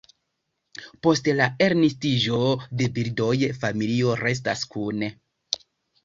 Post la elnestiĝo de birdoj, familio restas kune.